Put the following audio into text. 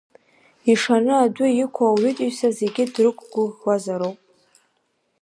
Ишаны адәы иқәу ауаатәыҩса зегьы дрықәгәыӷуазароуп.